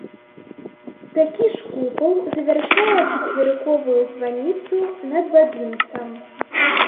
Такі ж купал завяршае чацверыковую званіцу над бабінцам.